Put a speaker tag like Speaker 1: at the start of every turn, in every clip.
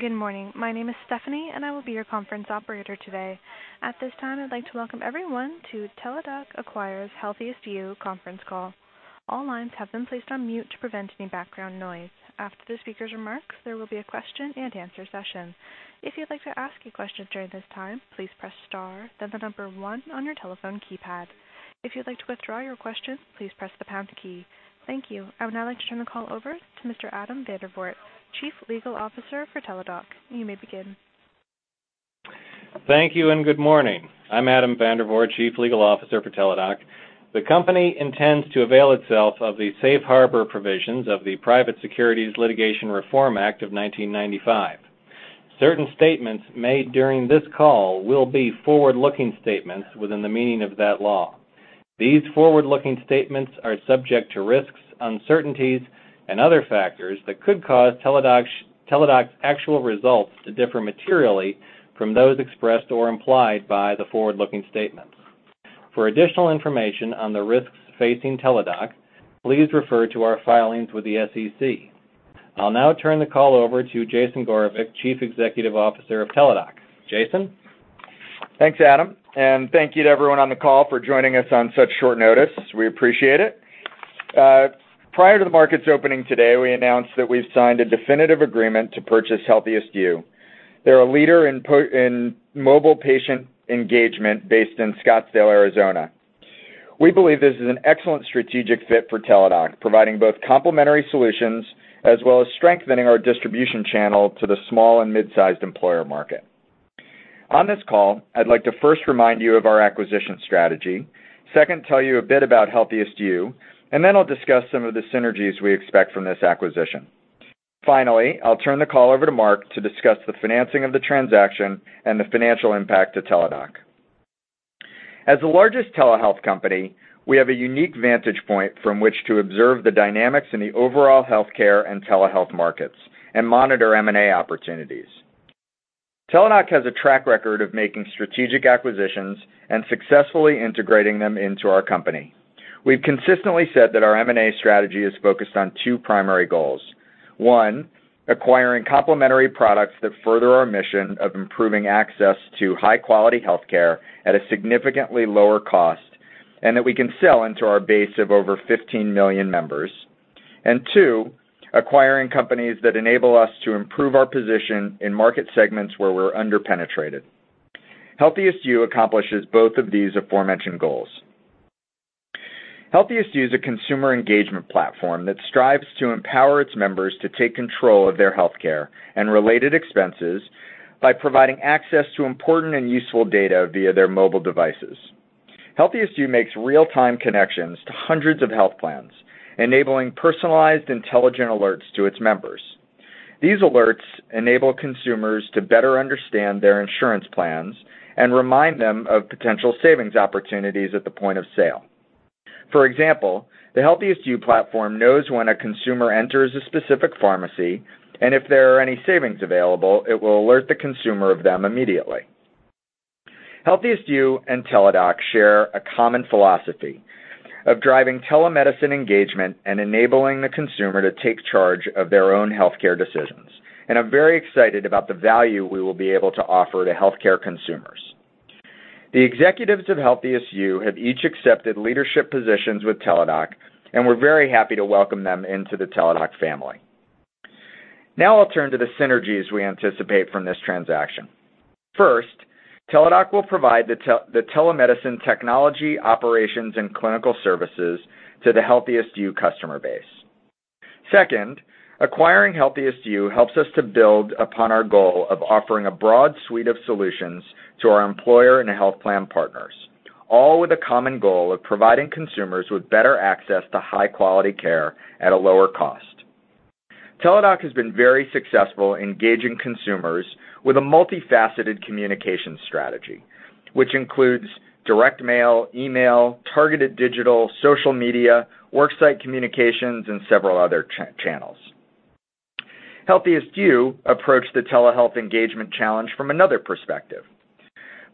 Speaker 1: Good morning. My name is Stephanie, and I will be your Conference Operator today. At this time, I'd like to welcome everyone to Teladoc Acquires HealthiestYou conference call. All lines have been placed on mute to prevent any background noise. After the speaker's remarks, there will be a question and answer session. If you'd like to ask a question during this time, please press star then the number one on your telephone keypad. If you'd like to withdraw your question, please press the pound key. Thank you. I would now like to turn the call over to Mr. Adam Vandervoort, Chief Legal Officer for Teladoc. You may begin.
Speaker 2: Thank you. Good morning. I'm Adam Vandervoort, Chief Legal Officer for Teladoc. The company intends to avail itself of the safe harbor provisions of the Private Securities Litigation Reform Act of 1995. Certain statements made during this call will be forward-looking statements within the meaning of that law. These forward-looking statements are subject to risks, uncertainties, and other factors that could cause Teladoc's actual results to differ materially from those expressed or implied by the forward-looking statements. For additional information on the risks facing Teladoc, please refer to our filings with the SEC. I'll now turn the call over to Jason Gorevic, Chief Executive Officer of Teladoc. Jason?
Speaker 3: Thanks, Adam. Thank you to everyone on the call for joining us on such short notice. We appreciate it. Prior to the market's opening today, we announced that we've signed a definitive agreement to purchase HealthiestYou. They're a leader in mobile patient engagement based in Scottsdale, Arizona. We believe this is an excellent strategic fit for Teladoc, providing both complementary solutions as well as strengthening our distribution channel to the small and mid-sized employer market. On this call, I'd like to first remind you of our acquisition strategy, second, tell you a bit about HealthiestYou. I'll discuss some of the synergies we expect from this acquisition. Finally, I'll turn the call over to Mark to discuss the financing of the transaction and the financial impact to Teladoc. As the largest telehealth company, we have a unique vantage point from which to observe the dynamics in the overall healthcare and telehealth markets and monitor M&A opportunities. Teladoc has a track record of making strategic acquisitions and successfully integrating them into our company. We've consistently said that our M&A strategy is focused on two primary goals. One, acquiring complementary products that further our mission of improving access to high-quality healthcare at a significantly lower cost and that we can sell into our base of over 15 million members. Two, acquiring companies that enable us to improve our position in market segments where we're under-penetrated. HealthiestYou accomplishes both of these aforementioned goals. HealthiestYou is a consumer engagement platform that strives to empower its members to take control of their healthcare and related expenses by providing access to important and useful data via their mobile devices. HealthiestYou makes real-time connections to hundreds of health plans, enabling personalized, intelligent alerts to its members. These alerts enable consumers to better understand their insurance plans and remind them of potential savings opportunities at the point of sale. For example, the HealthiestYou platform knows when a consumer enters a specific pharmacy, and if there are any savings available, it will alert the consumer of them immediately. HealthiestYou and Teladoc share a common philosophy of driving telemedicine engagement and enabling the consumer to take charge of their own healthcare decisions. I'm very excited about the value we will be able to offer to healthcare consumers. The executives of HealthiestYou have each accepted leadership positions with Teladoc, and we're very happy to welcome them into the Teladoc family. I'll turn to the synergies we anticipate from this transaction. First, Teladoc will provide the telemedicine technology operations and clinical services to the HealthiestYou customer base. Second, acquiring HealthiestYou helps us to build upon our goal of offering a broad suite of solutions to our employer and health plan partners, all with the common goal of providing consumers with better access to high-quality care at a lower cost. Teladoc has been very successful engaging consumers with a multifaceted communication strategy, which includes direct mail, email, targeted digital, social media, worksite communications, and several other channels. HealthiestYou approached the telehealth engagement challenge from another perspective.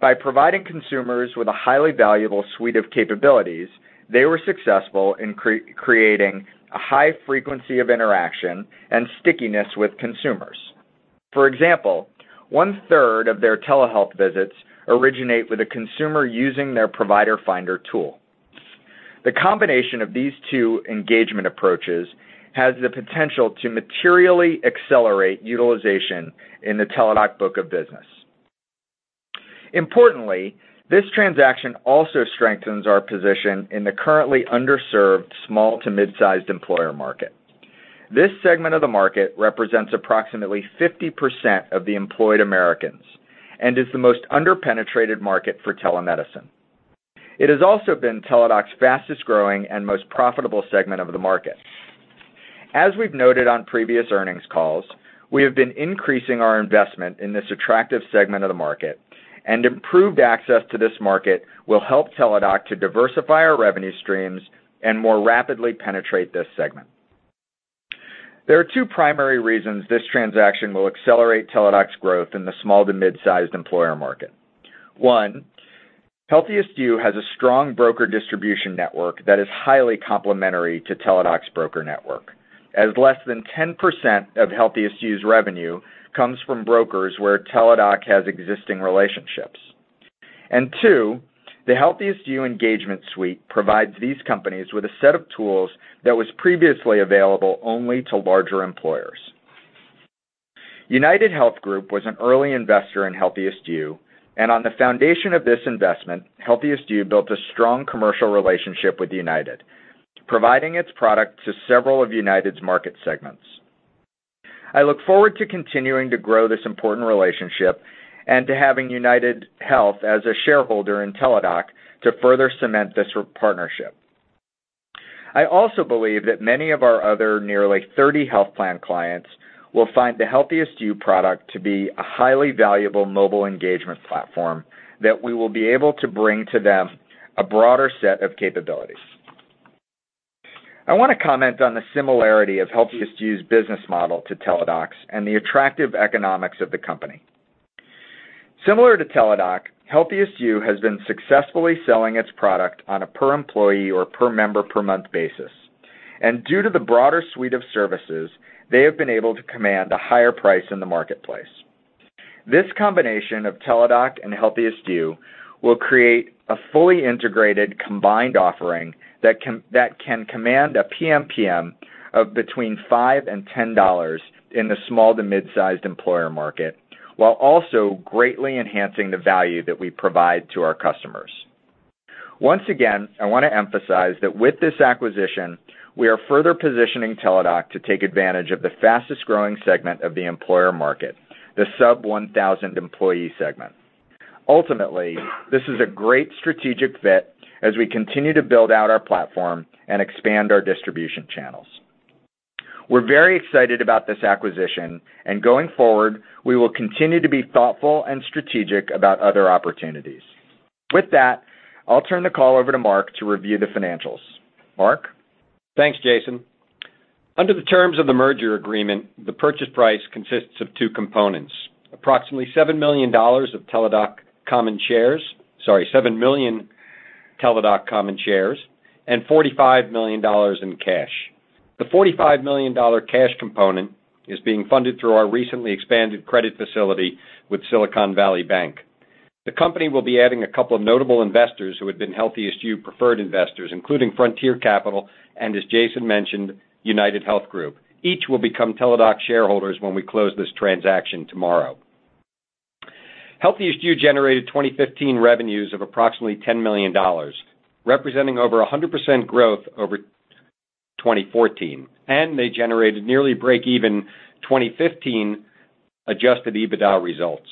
Speaker 3: By providing consumers with a highly valuable suite of capabilities, they were successful in creating a high frequency of interaction and stickiness with consumers. For example, one-third of their telehealth visits originate with a consumer using their provider finder tool. The combination of these two engagement approaches has the potential to materially accelerate utilization in the Teladoc book of business. Importantly, this transaction also strengthens our position in the currently underserved small to mid-sized employer market. This segment of the market represents approximately 50% of the employed Americans and is the most under-penetrated market for telemedicine. It has also been Teladoc's fastest-growing and most profitable segment of the market. As we've noted on previous earnings calls, we have been increasing our investment in this attractive segment of the market, and improved access to this market will help Teladoc to diversify our revenue streams and more rapidly penetrate this segment. There are two primary reasons this transaction will accelerate Teladoc's growth in the small to mid-sized employer market. One, HealthiestYou has a strong broker distribution network that is highly complementary to Teladoc's broker network, as less than 10% of HealthiestYou's revenue comes from brokers where Teladoc has existing relationships. Two, the HealthiestYou engagement suite provides these companies with a set of tools that was previously available only to larger employers. UnitedHealth Group was an early investor in HealthiestYou, and on the foundation of this investment, HealthiestYou built a strong commercial relationship with United, providing its product to several of United's market segments. I look forward to continuing to grow this important relationship and to having UnitedHealth as a shareholder in Teladoc to further cement this partnership. I also believe that many of our other nearly 30 health plan clients will find the HealthiestYou product to be a highly valuable mobile engagement platform that we will be able to bring to them a broader set of capabilities. I want to comment on the similarity of HealthiestYou's business model to Teladoc's and the attractive economics of the company. Similar to Teladoc, HealthiestYou has been successfully selling its product on a per-employee or per-member per month basis. Due to the broader suite of services, they have been able to command a higher price in the marketplace. This combination of Teladoc and HealthiestYou will create a fully integrated combined offering that can command a PMPM of between $5 and $10 in the small to mid-sized employer market, while also greatly enhancing the value that we provide to our customers. Once again, I want to emphasize that with this acquisition, we are further positioning Teladoc to take advantage of the fastest-growing segment of the employer market, the sub 1,000-employee segment. Ultimately, this is a great strategic fit as we continue to build out our platform and expand our distribution channels. We're very excited about this acquisition, and going forward, we will continue to be thoughtful and strategic about other opportunities. With that, I'll turn the call over to Mark to review the financials. Mark?
Speaker 4: Thanks, Jason. Under the terms of the merger agreement, the purchase price consists of two components: 7 million Teladoc common shares and $45 million in cash. The $45 million cash component is being funded through our recently expanded credit facility with Silicon Valley Bank. The company will be adding a couple of notable investors who had been HealthiestYou preferred investors, including Frontier Capital and, as Jason mentioned, UnitedHealth Group. Each will become Teladoc shareholders when we close this transaction tomorrow. HealthiestYou generated 2015 revenues of approximately $10 million, representing over 100% growth over 2014, and they generated nearly break even 2015 adjusted EBITDA results.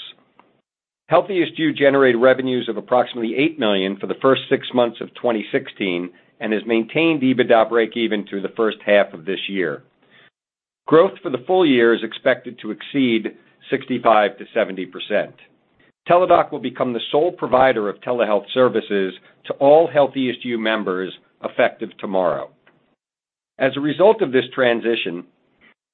Speaker 4: HealthiestYou generated revenues of approximately $8 million for the first six months of 2016 and has maintained EBITDA break even through the first half of this year. Growth for the full year is expected to exceed 65%-70%. Teladoc will become the sole provider of telehealth services to all HealthiestYou members effective tomorrow. As a result of this transition,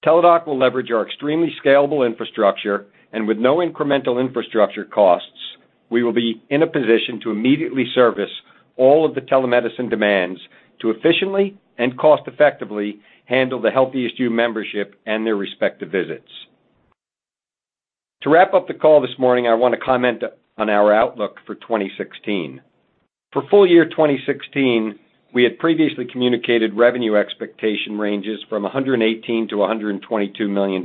Speaker 4: Teladoc will leverage our extremely scalable infrastructure, and with no incremental infrastructure costs, we will be in a position to immediately service all of the telemedicine demands to efficiently and cost-effectively handle the HealthiestYou membership and their respective visits. To wrap up the call this morning, I want to comment on our outlook for 2016. For full year 2016, we had previously communicated revenue expectation ranges from $118 million to $122 million.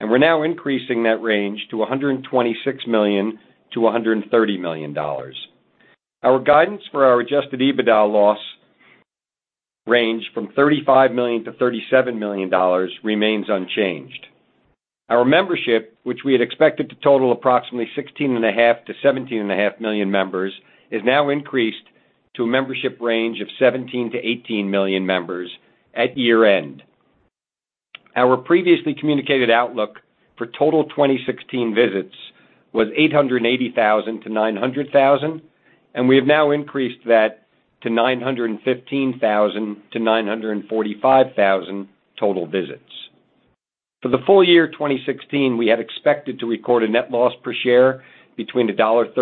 Speaker 4: We're now increasing that range to $126 million to $130 million. Our guidance for our adjusted EBITDA loss range from $35 million to $37 million remains unchanged. Our membership, which we had expected to total approximately 16.5 million-17.5 million members, is now increased to a membership range of 17 million-18 million members at year-end. Our previously communicated outlook for total 2016 visits was 880,000-900,000, we have now increased that to 915,000-945,000 total visits. For the full year 2016, we had expected to record a net loss per share between $1.33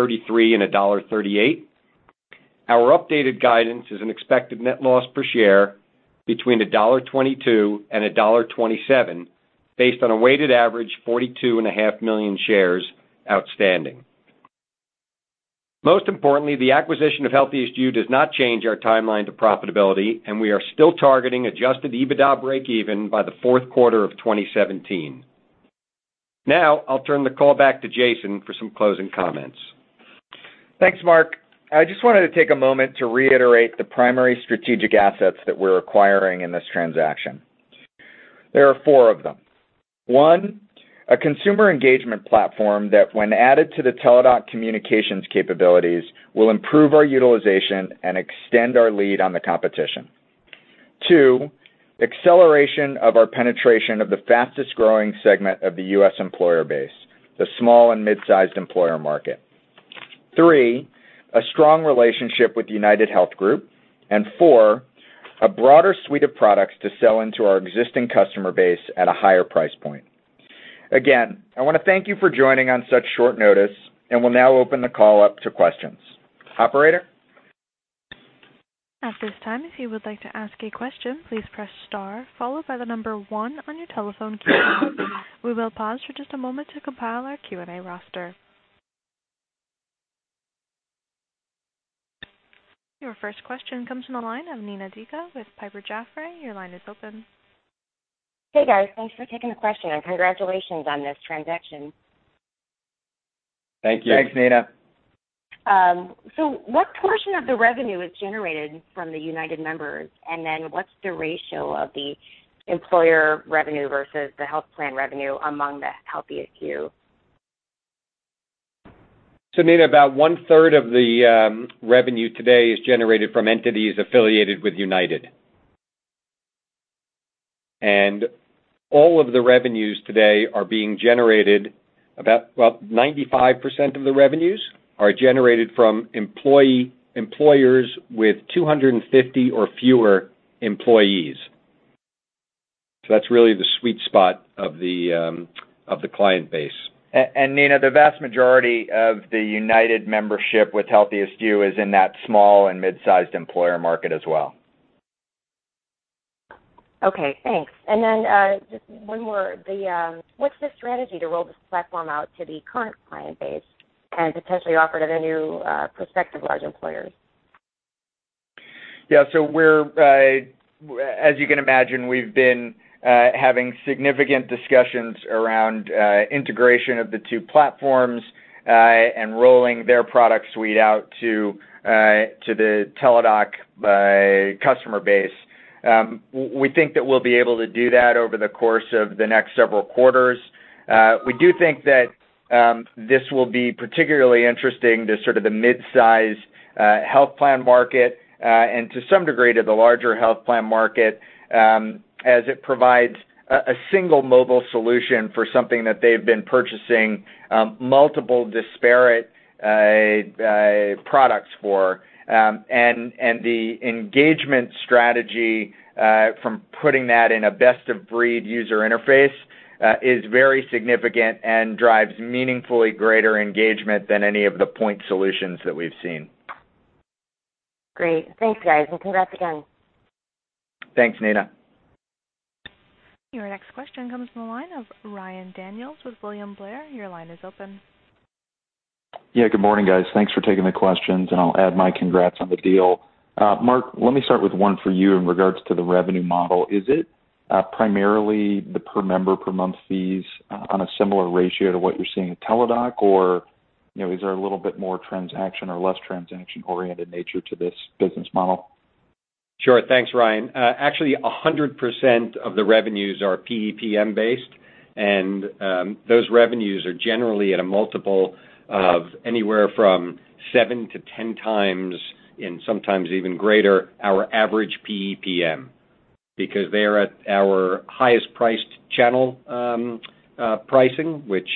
Speaker 4: and $1.38. Our updated guidance is an expected net loss per share between $1.22 and $1.27, based on a weighted average 42.5 million shares outstanding. Most importantly, the acquisition of HealthiestYou does not change our timeline to profitability, and we are still targeting adjusted EBITDA break even by the fourth quarter of 2017. I'll turn the call back to Jason for some closing comments.
Speaker 3: Thanks, Mark. I just wanted to take a moment to reiterate the primary strategic assets that we're acquiring in this transaction. There are four of them. One, a consumer engagement platform that when added to the Teladoc communications capabilities, will improve our utilization and extend our lead on the competition. Two, acceleration of our penetration of the fastest-growing segment of the U.S. employer base, the small and mid-sized employer market. Three, a strong relationship with UnitedHealth Group. Four- A broader suite of products to sell into our existing customer base at a higher price point. Again, I want to thank you for joining on such short notice, and we'll now open the call up to questions. Operator?
Speaker 1: At this time, if you would like to ask a question, please press star, followed by the number one on your telephone keypad. We will pause for just a moment to compile our Q&A roster. Your first question comes from the line of Nina Deka with Piper Jaffray. Your line is open.
Speaker 5: Hey, guys. Thanks for taking the question. Congratulations on this transaction.
Speaker 3: Thank you.
Speaker 4: Thanks, Nina.
Speaker 5: What portion of the revenue is generated from the UnitedHealthcare members? What's the ratio of the employer revenue versus the health plan revenue among the HealthiestYou?
Speaker 4: Nina, about one-third of the revenue today is generated from entities affiliated with UnitedHealthcare. All of the revenues today are being generated, about well 95% of the revenues are generated from employers with 250 or fewer employees. That's really the sweet spot of the client base.
Speaker 3: Nina, the vast majority of the UnitedHealthcare membership with HealthiestYou is in that small and mid-sized employer market as well.
Speaker 5: Okay, thanks. Just one more. What's the strategy to roll this platform out to the current client base and potentially offer to the new prospective large employers?
Speaker 3: Yeah. As you can imagine, we've been having significant discussions around integration of the two platforms, and rolling their product suite out to the Teladoc customer base. We think that we'll be able to do that over the course of the next several quarters. We do think that this will be particularly interesting to sort of the mid-size health plan market and to some degree, to the larger health plan market, as it provides a single mobile solution for something that they've been purchasing multiple disparate products for. The engagement strategy from putting that in a best of breed user interface is very significant and drives meaningfully greater engagement than any of the point solutions that we've seen.
Speaker 5: Great. Thanks, guys, congrats again.
Speaker 3: Thanks, Nina.
Speaker 1: Your next question comes from the line of Ryan Daniels with William Blair. Your line is open.
Speaker 6: Yeah. Good morning, guys. Thanks for taking the questions, and I'll add my congrats on the deal. Mark, let me start with one for you in regards to the revenue model. Is it primarily the per member per month fees on a similar ratio to what you're seeing at Teladoc, or is there a little bit more transaction or less transaction-oriented nature to this business model?
Speaker 4: Sure. Thanks, Ryan. Actually, 100% of the revenues are PEPM based, and those revenues are generally at a multiple of anywhere from seven to 10 times, and sometimes even greater, our average PEPM, because they are at our highest priced channel pricing, which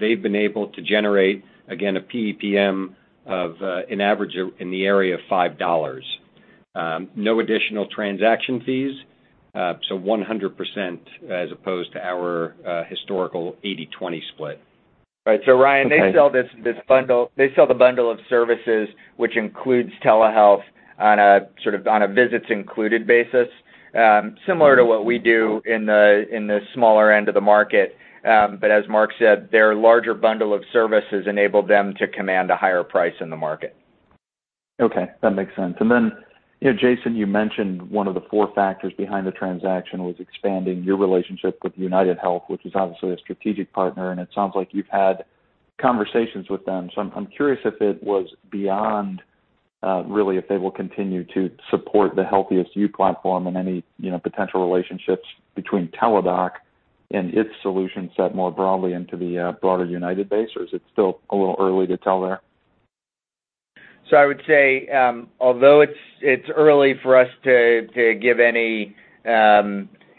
Speaker 4: they've been able to generate, again, a PEPM of an average in the area of $5. No additional transaction fees, so 100% as opposed to our historical 80/20 split.
Speaker 3: Right. Ryan, they sell the bundle of services, which includes telehealth on a visits included basis, similar to what we do in the smaller end of the market. As Mark said, their larger bundle of services enabled them to command a higher price in the market.
Speaker 6: Okay. That makes sense. Jason, you mentioned one of the four factors behind the transaction was expanding your relationship with UnitedHealth, which is obviously a strategic partner, it sounds like you've had conversations with them. I'm curious if it was beyond, really, if they will continue to support the HealthiestYou platform and any potential relationships between Teladoc and its solution set more broadly into the broader United base, or is it still a little early to tell there?
Speaker 3: I would say, although it's early for us to give any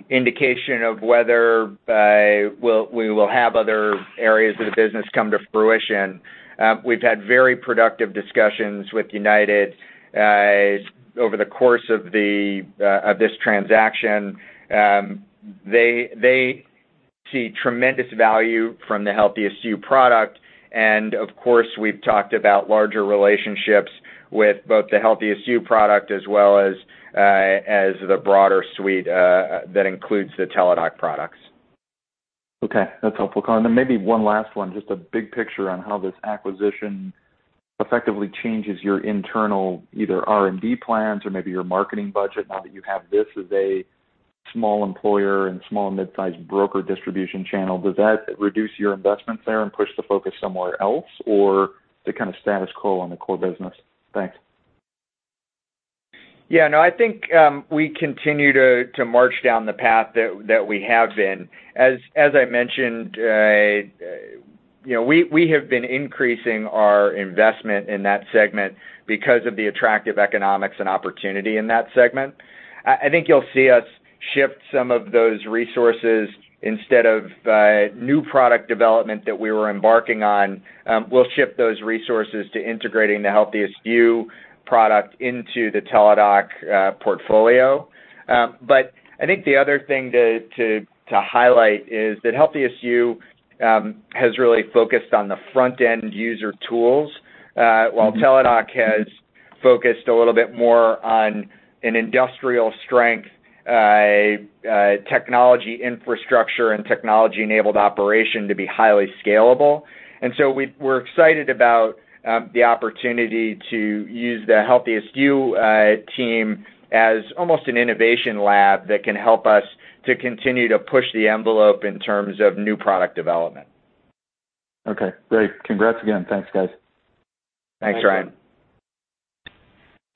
Speaker 3: indication of whether we will have other areas of the business come to fruition, we've had very productive discussions with United over the course of this transaction. They see tremendous value from the HealthiestYou product. Of course, we've talked about larger relationships with both the HealthiestYou product as well as the broader suite that includes the Teladoc products.
Speaker 6: Okay. That's helpful. Maybe one last one, just a big picture on how this acquisition effectively changes your internal either R&D plans or maybe your marketing budget now that you have this as a small employer and small and mid-sized broker distribution channel. Does that reduce your investments there and push the focus somewhere else, or the kind of status quo on the core business? Thanks.
Speaker 3: No, I think we continue to march down the path that we have been. As I mentioned, we have been increasing our investment in that segment because of the attractive economics and opportunity in that segment. I think you'll see us shift some of those resources instead of new product development that we were embarking on. We'll shift those resources to integrating the HealthiestYou product into the Teladoc portfolio. I think the other thing to highlight is that HealthiestYou has really focused on the front-end user tools, while Teladoc has focused a little bit more on an industrial strength technology infrastructure and technology-enabled operation to be highly scalable. We're excited about the opportunity to use the HealthiestYou team as almost an innovation lab that can help us to continue to push the envelope in terms of new product development.
Speaker 6: Okay, great. Congrats again. Thanks, guys.
Speaker 3: Thanks, Ryan.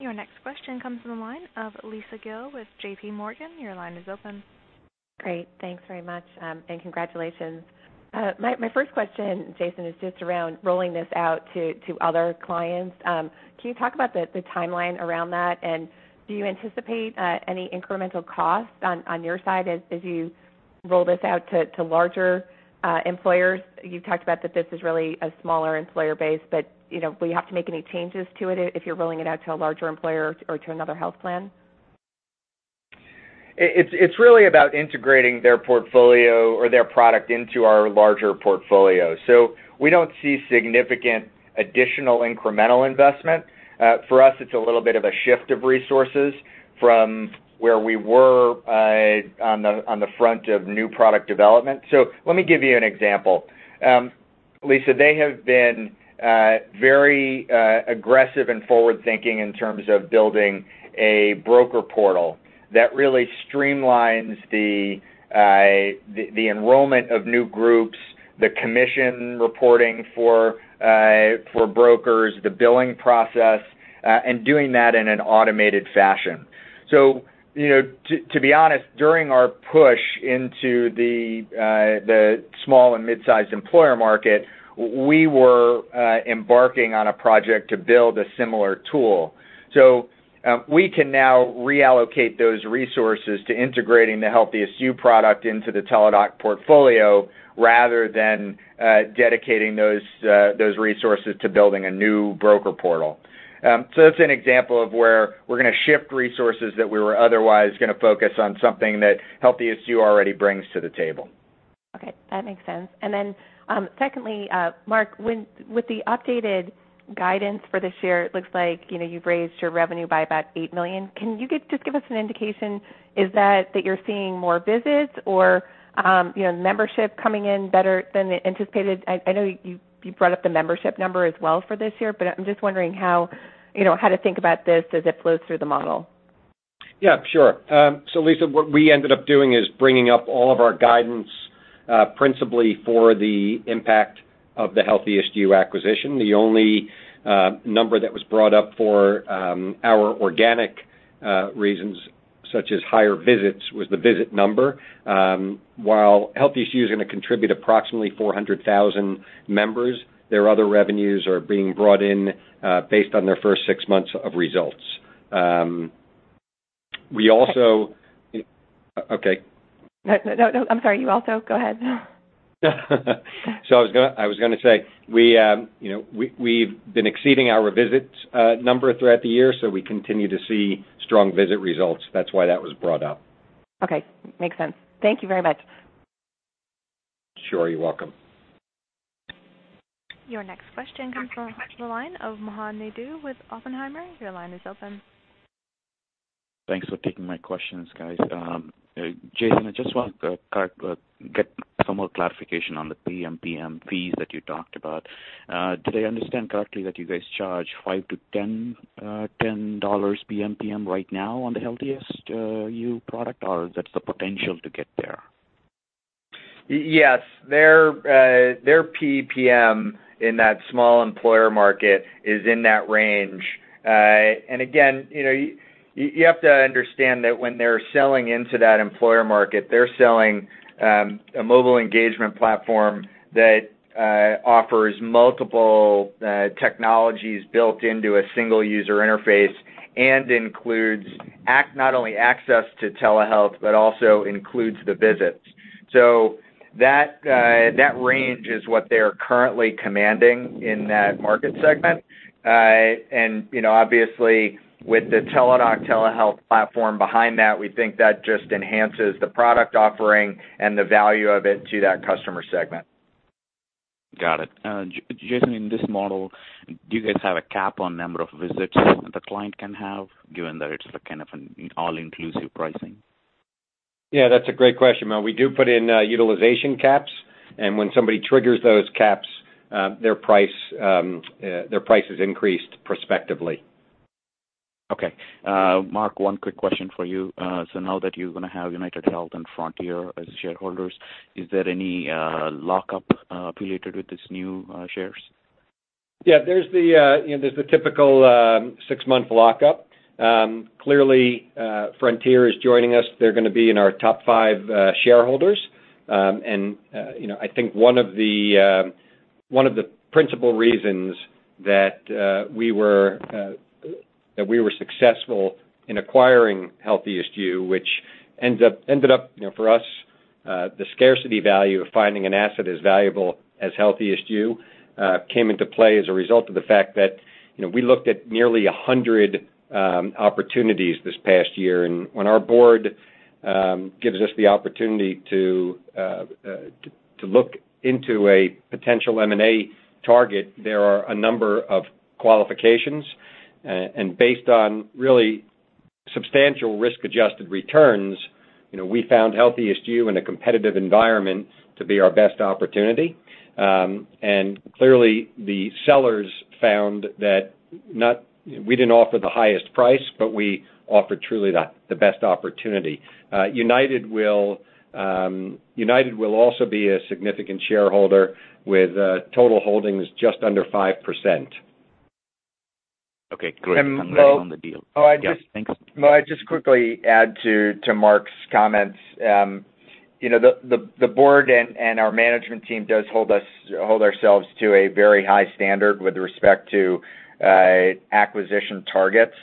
Speaker 1: Your next question comes from the line of Lisa Gill with JPMorgan. Your line is open.
Speaker 7: Great. Thanks very much, and congratulations. My first question, Jason, is just around rolling this out to other clients. Can you talk about the timeline around that, and do you anticipate any incremental cost on your side as you roll this out to larger employers? You talked about that this is really a smaller employer base, but will you have to make any changes to it if you're rolling it out to a larger employer or to another health plan?
Speaker 3: It's really about integrating their portfolio or their product into our larger portfolio. We don't see significant additional incremental investment. For us, it's a little bit of a shift of resources from where we were on the front of new product development. Let me give you an example, Lisa. They have been very aggressive and forward-thinking in terms of building a broker portal that really streamlines the enrollment of new groups, the commission reporting for brokers, the billing process, and doing that in an automated fashion. To be honest, during our push into the small and mid-sized employer market, we were embarking on a project to build a similar tool. We can now reallocate those resources to integrating the HealthiestYou product into the Teladoc portfolio rather than dedicating those resources to building a new broker portal. That's an example of where we're going to shift resources that we were otherwise going to focus on something that HealthiestYou already brings to the table.
Speaker 7: Okay, that makes sense. Secondly, Mark, with the updated guidance for this year, it looks like you've raised your revenue by about $8 million. Can you just give us an indication, is that you're seeing more visits or membership coming in better than anticipated? I know you brought up the membership number as well for this year, but I'm just wondering how to think about this as it flows through the model.
Speaker 4: Yeah, sure. Lisa, what we ended up doing is bringing up all of our guidance, principally for the impact of the HealthiestYou acquisition. The only number that was brought up for our organic reasons, such as higher visits, was the visit number. While HealthiestYou is going to contribute approximately 400,000 members, their other revenues are being brought in based on their first six months of results. We also. Okay.
Speaker 7: No, I'm sorry. You also, go ahead.
Speaker 4: I was going to say, we've been exceeding our visits number throughout the year, so we continue to see strong visit results. That's why that was brought up.
Speaker 7: Okay. Makes sense. Thank you very much.
Speaker 1: Sure. You're welcome. Your next question comes from the line of Mahan Naidoo with Oppenheimer. Your line is open.
Speaker 8: Thanks for taking my questions, guys. Jason, I just want to get some more clarification on the PMPM fees that you talked about. Did I understand correctly that you guys charge $5-$10 PMPM right now on the HealthiestYou product, or is that the potential to get there?
Speaker 3: Yes. Their PMPM in that small employer market is in that range. Again, you have to understand that when they're selling into that employer market, they're selling a mobile engagement platform that offers multiple technologies built into a single user interface and includes not only access to telehealth, but also includes the visits. That range is what they're currently commanding in that market segment. Obviously, with the Teladoc telehealth platform behind that, we think that just enhances the product offering and the value of it to that customer segment.
Speaker 8: Got it. Jason, in this model, do you guys have a cap on number of visits the client can have, given that it's an all-inclusive pricing?
Speaker 4: Yeah, that's a great question, Mahan. We do put in utilization caps, and when somebody triggers those caps, their price is increased prospectively.
Speaker 8: Okay. Mark, one quick question for you. Now that you're going to have UnitedHealth and Frontier as shareholders, is there any lockup related with this new shares?
Speaker 3: Yeah, there's the typical 6-month lockup. Clearly, Frontier is joining us. They're going to be in our top five shareholders. I think one of the
Speaker 4: One of the principal reasons that we were successful in acquiring HealthiestYou, which ended up, for us, the scarcity value of finding an asset as valuable as HealthiestYou, came into play as a result of the fact that we looked at nearly 100 opportunities this past year. When our board gives us the opportunity to look into a potential M&A target, there are a number of qualifications. Based on really substantial risk-adjusted returns, we found HealthiestYou in a competitive environment to be our best opportunity. Clearly, the sellers found that we didn't offer the highest price, but we offered truly the best opportunity. UnitedHealthcare will also be a significant shareholder with total holdings just under 5%.
Speaker 8: Okay, great. Thanks.
Speaker 3: Well, I'd just quickly add to Mark's comments. The board and our management team does hold ourselves to a very high standard with respect to acquisition targets.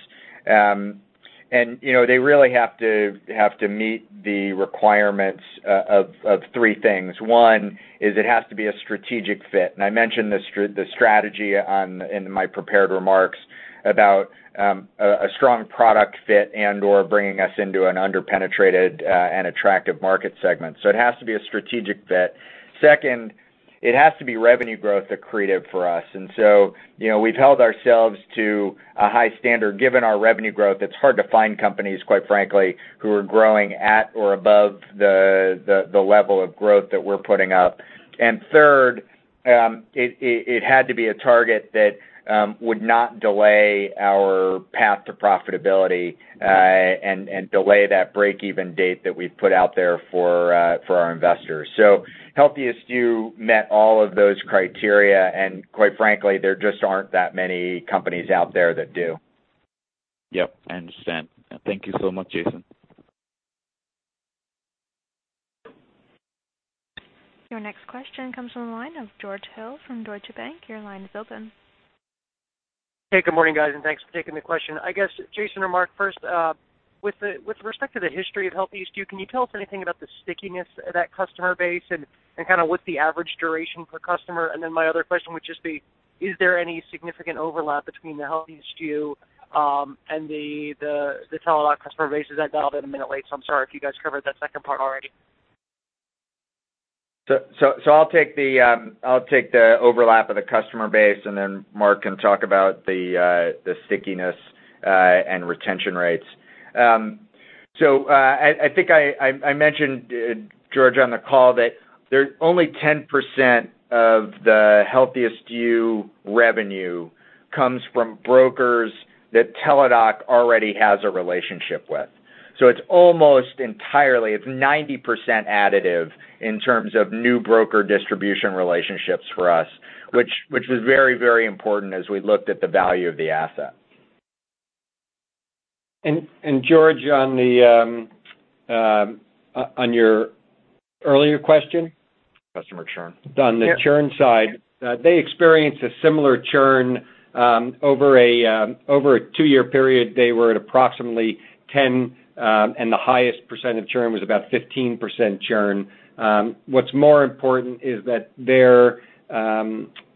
Speaker 3: They really have to meet the requirements of three things. One, it has to be a strategic fit. I mentioned the strategy in my prepared remarks about a strong product fit and/or bringing us into an under-penetrated and attractive market segment. It has to be a strategic fit. Second, it has to be revenue growth accretive for us. We've held ourselves to a high standard. Given our revenue growth, it's hard to find companies, quite frankly, who are growing at or above the level of growth that we're putting up. Third, it had to be a target that would not delay our path to profitability and delay that break-even date that we've put out there for our investors. HealthiestYou met all of those criteria, and quite frankly, there just aren't that many companies out there that do.
Speaker 8: Yep, I understand. Thank you so much, Jason.
Speaker 1: Your next question comes from the line of George Hill from Deutsche Bank. Your line is open.
Speaker 9: Hey, good morning, guys, and thanks for taking the question. I guess, Jason or Mark, first, with respect to the history of HealthiestYou, can you tell us anything about the stickiness of that customer base and what's the average duration per customer? My other question would just be, is there any significant overlap between the HealthiestYou and the Teladoc customer base? I dialed in a minute late, I'm sorry if you guys covered that second part already.
Speaker 3: I'll take the overlap of the customer base, Mark can talk about the stickiness and retention rates. I think I mentioned, George, on the call that only 10% of the HealthiestYou revenue comes from brokers that Teladoc already has a relationship with. It's almost entirely, it's 90% additive in terms of new broker distribution relationships for us, which was very, very important as we looked at the value of the asset.
Speaker 4: George, on your earlier question.
Speaker 3: Customer churn.
Speaker 4: On the churn side, they experienced a similar churn. Over a two-year period, they were at approximately 10, and the highest percent of churn was about 15% churn. What's more important is that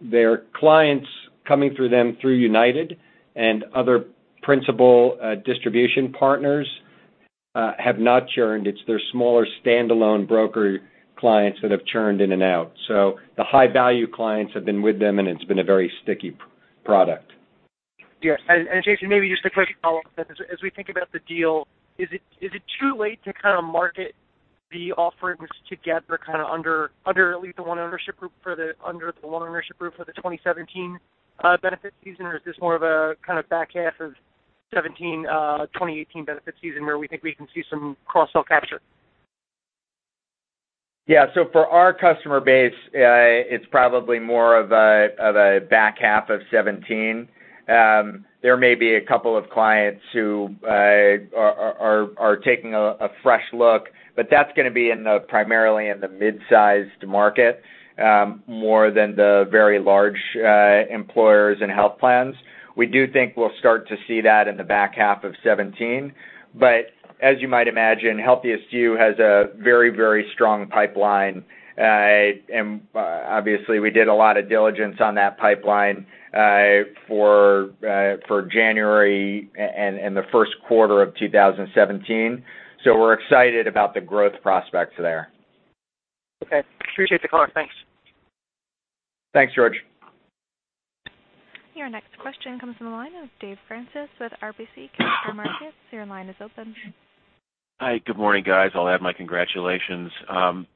Speaker 4: their clients coming through them through UnitedHealthcare and other principal distribution partners have not churned. It's their smaller standalone broker clients that have churned in and out. The high-value clients have been with them, and it's been a very sticky product.
Speaker 9: Yeah. Jason, maybe just a quick follow-up. As we think about the deal, is it too late to market the offerings together under at least the one ownership group for the 2017 benefit season? Or is this more of a back half of 2017, 2018 benefit season where we think we can see some cross-sell capture?
Speaker 3: Yeah. For our customer base, it's probably more of a back half of 2017. There may be a couple of clients who are taking a fresh look, but that's going to be primarily in the mid-sized market, more than the very large employers and health plans. We do think we'll start to see that in the back half of 2017. As you might imagine, HealthiestYou has a very, very strong pipeline. Obviously, we did a lot of diligence on that pipeline for January and the first quarter of 2017. We're excited about the growth prospects there.
Speaker 9: Okay. Appreciate the call. Thanks.
Speaker 3: Thanks, George.
Speaker 1: Your next question comes from the line of Dave Francis with RBC Capital Markets. Your line is open.
Speaker 10: Hi, good morning, guys. I'll add my congratulations. On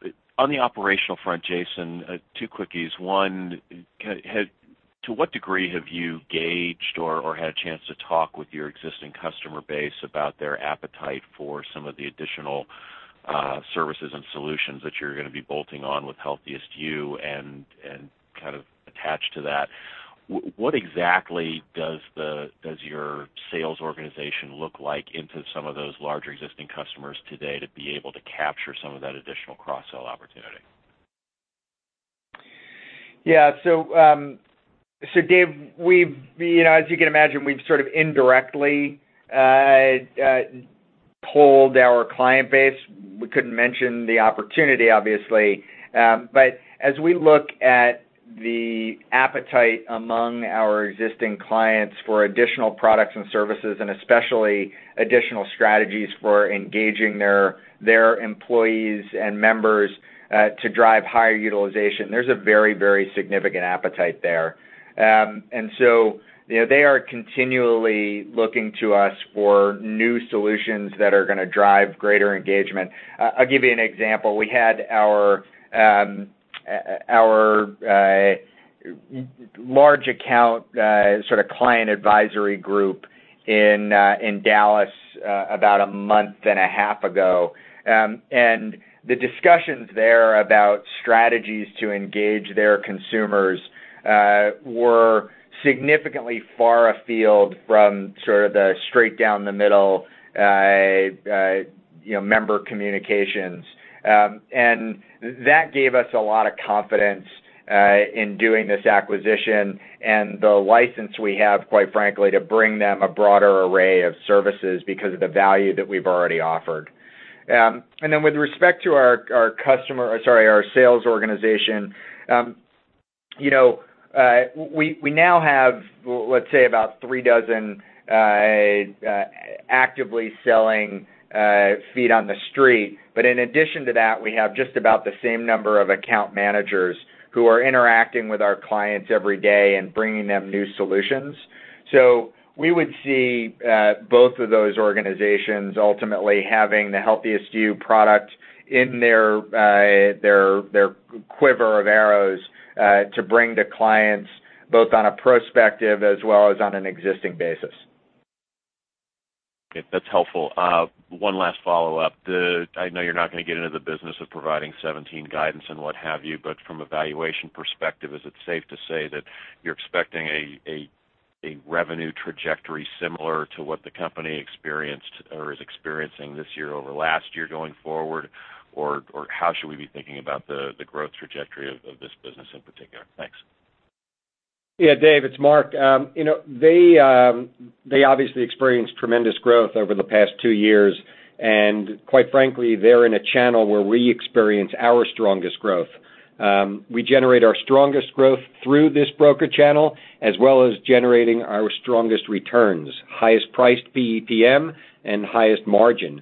Speaker 10: the operational front, Jason, two quickies. One, to what degree have you gauged or had a chance to talk with your existing customer base about their appetite for some of the additional services and solutions that you're going to be bolting on with HealthiestYou? Kind of attached to that, what exactly does your sales organization look like into some of those larger existing customers today to be able to capture some of that additional cross-sell opportunity?
Speaker 3: Yeah. Dave, as you can imagine, we've sort of indirectly polled our client base. We couldn't mention the opportunity, obviously. As we look at the appetite among our existing clients for additional products and services, and especially additional strategies for engaging their employees and members to drive higher utilization, there's a very significant appetite there. They are continually looking to us for new solutions that are going to drive greater engagement. I'll give you an example. We had our large account client advisory group in Dallas about a month and a half ago. The discussions there about strategies to engage their consumers, were significantly far afield from the straight down the middle member communications. That gave us a lot of confidence, in doing this acquisition and the license we have, quite frankly, to bring them a broader array of services because of the value that we've already offered. With respect to our sales organization, we now have, let's say about three dozen actively selling feet on the street. In addition to that, we have just about the same number of account managers who are interacting with our clients every day and bringing them new solutions. We would see both of those organizations ultimately having the HealthiestYou product in their quiver of arrows to bring to clients both on a prospective as well as on an existing basis.
Speaker 10: Okay. That's helpful. One last follow-up. I know you're not going to get into the business of providing 2017 guidance and what have you, but from a valuation perspective, is it safe to say that you're expecting a revenue trajectory similar to what the company experienced or is experiencing this year over last year going forward? How should we be thinking about the growth trajectory of this business in particular? Thanks.
Speaker 4: Yeah, Dave, it's Mark. They obviously experienced tremendous growth over the past two years, and quite frankly, they're in a channel where we experience our strongest growth. We generate our strongest growth through this broker channel, as well as generating our strongest returns, highest priced PMPM, and highest margin.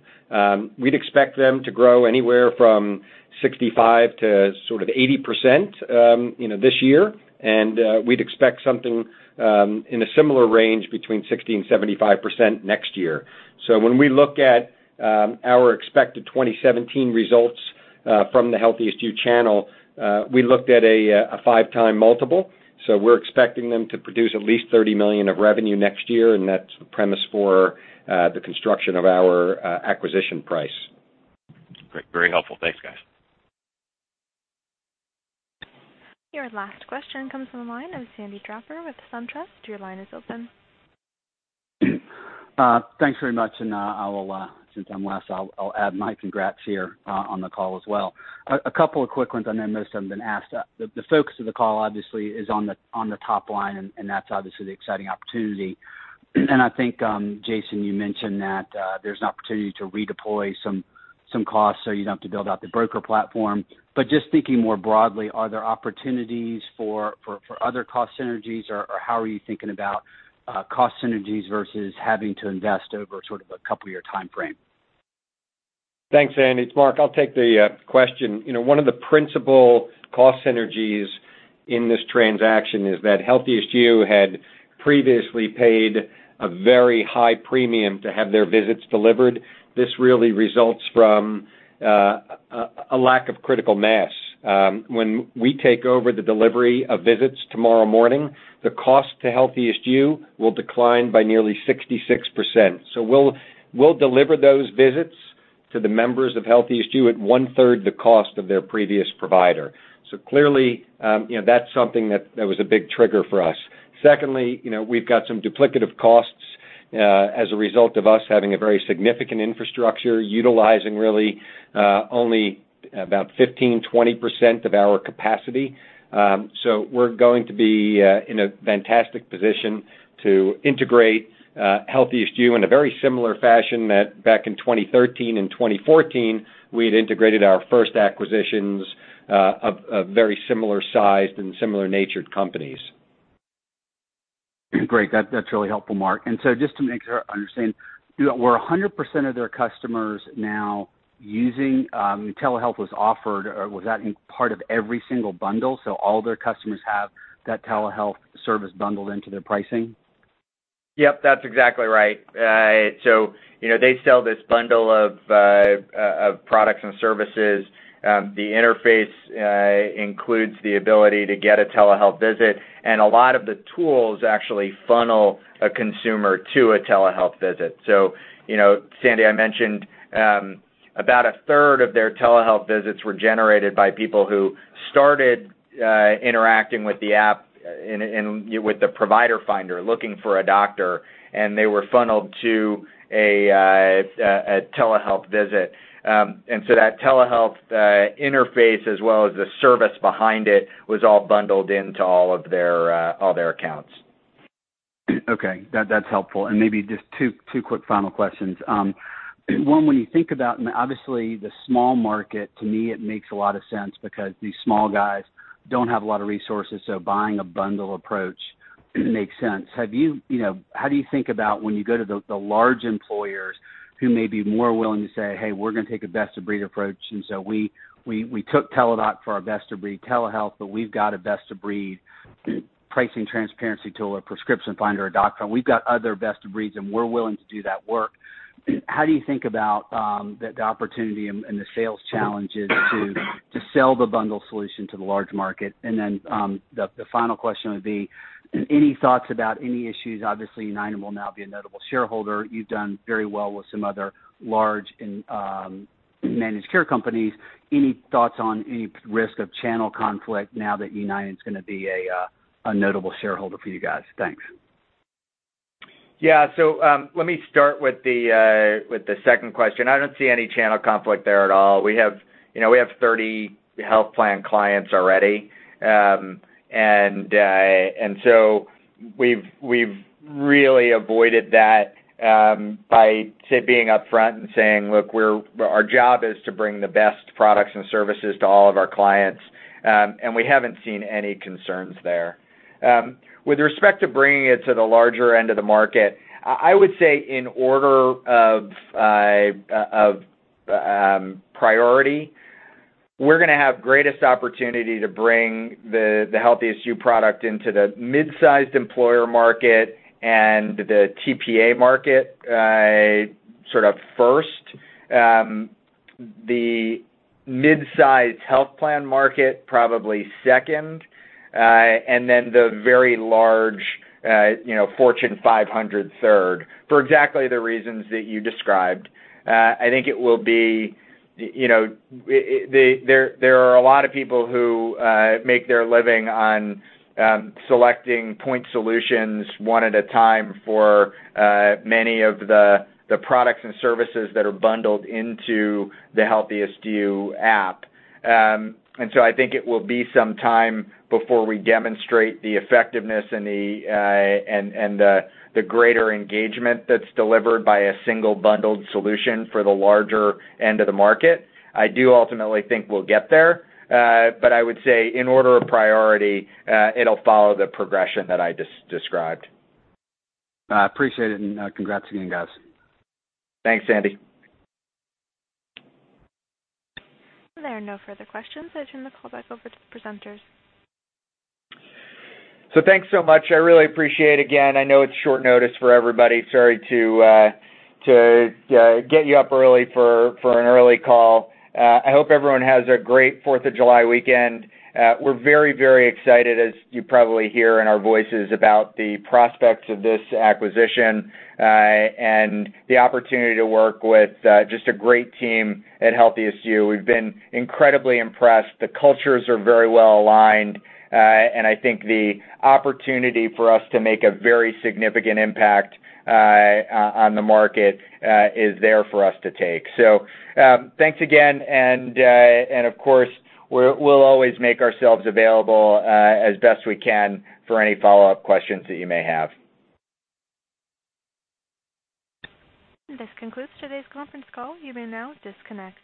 Speaker 4: We'd expect them to grow anywhere from 65% to sort of 80% this year. We'd expect something in a similar range between 60% and 75% next year. When we look at our expected 2017 results from the HealthiestYou channel, we looked at a five-time multiple. We're expecting them to produce at least $30 million of revenue next year, and that's the premise for the construction of our acquisition price.
Speaker 10: Great. Very helpful. Thanks, guys.
Speaker 1: Your last question comes from the line of Sandy Draper with SunTrust. Your line is open.
Speaker 11: Thanks very much. Since I'm last, I'll add my congrats here on the call as well. A couple of quick ones. I know most of them have been asked. The focus of the call obviously is on the top line, and that's obviously the exciting opportunity. I think, Jason, you mentioned that there's an opportunity to redeploy some costs so you don't have to build out the broker platform. Just thinking more broadly, are there opportunities for other cost synergies, or how are you thinking about cost synergies versus having to invest over sort of a couple of year timeframe?
Speaker 4: Thanks, Sandy. It's Mark. I'll take the question. One of the principal cost synergies in this transaction is that HealthiestYou had previously paid a very high premium to have their visits delivered. This really results from a lack of critical mass. When we take over the delivery of visits tomorrow morning, the cost to HealthiestYou will decline by nearly 66%. We'll deliver those visits to the members of HealthiestYou at one-third the cost of their previous provider. Clearly, that's something that was a big trigger for us. Secondly, we've got some duplicative costs as a result of us having a very significant infrastructure utilizing really only about 15%, 20% of our capacity. We're going to be in a fantastic position to integrate HealthiestYou in a very similar fashion that back in 2013 and 2014, we had integrated our first acquisitions of very similar sized and similar natured companies.
Speaker 11: Great. That's really helpful, Mark. Just to make sure I understand, were 100% of their customers now using telehealth was offered, or was that part of every single bundle, so all their customers have that telehealth service bundled into their pricing?
Speaker 3: Yep, that's exactly right. They sell this bundle of products and services. The interface includes the ability to get a telehealth visit. A lot of the tools actually funnel a consumer to a telehealth visit. Sandy, I mentioned about a third of their telehealth visits were generated by people who started interacting with the app and with the provider finder looking for a doctor, and they were funneled to a telehealth visit. That telehealth interface, as well as the service behind it, was all bundled into all their accounts.
Speaker 11: Okay. That's helpful. Maybe just two quick final questions. One, when you think about, obviously the small market, to me, it makes a lot of sense because these small guys don't have a lot of resources, so buying a bundle approach makes sense. How do you think about when you go to the large employers who may be more willing to say, "Hey, we're going to take a best of breed approach, and so we took Teladoc for our best of breed telehealth, but we've got a best of breed pricing transparency tool or prescription finder, a doctor, and we've got other best of breeds, and we're willing to do that work." How do you think about, the opportunity and the sales challenges to sell the bundle solution to the large market? The final question would be, any thoughts about any issues? Obviously, United will now be a notable shareholder. You've done very well with some other large and managed care companies. Any thoughts on any risk of channel conflict now that United is going to be a notable shareholder for you guys? Thanks.
Speaker 3: Let me start with the second question. I don't see any channel conflict there at all. We have 30 health plan clients already. We've really avoided that by being upfront and saying, "Look, our job is to bring the best products and services to all of our clients." We haven't seen any concerns there. With respect to bringing it to the larger end of the market, I would say in order of priority, we're going to have greatest opportunity to bring the HealthiestYou product into the mid-sized employer market and the TPA market, sort of first. The mid-sized health plan market, probably second. The very large, Fortune 500, third for exactly the reasons that you described. I think there are a lot of people who make their living on selecting point solutions one at a time for many of the products and services that are bundled into the HealthiestYou app. I think it will be some time before we demonstrate the effectiveness and the greater engagement that's delivered by a single bundled solution for the larger end of the market. I do ultimately think we'll get there. I would say in order of priority, it'll follow the progression that I just described.
Speaker 11: I appreciate it, congrats again, guys.
Speaker 3: Thanks, Sandy.
Speaker 1: There are no further questions. I turn the call back over to the presenters.
Speaker 3: Thanks so much. I really appreciate it. Again, I know it's short notice for everybody. Sorry to get you up early for an early call. I hope everyone has a great Fourth of July weekend. We're very excited, as you probably hear in our voices, about the prospects of this acquisition, and the opportunity to work with just a great team at HealthiestYou. We've been incredibly impressed. The cultures are very well-aligned. I think the opportunity for us to make a very significant impact on the market is there for us to take. Thanks again, and, of course, we'll always make ourselves available, as best we can for any follow-up questions that you may have.
Speaker 1: This concludes today's conference call. You may now disconnect.